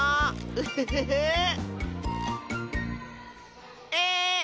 ウッフフフー！え